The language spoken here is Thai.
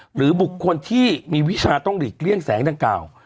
หรือบุคคลที่มีวิชาต้องหลีกเลี่ยงแสงดังกล่าว